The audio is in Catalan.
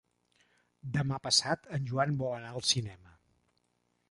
Demà passat en Joan vol anar al cinema.